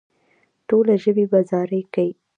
ټوله ژوي په زاري کې.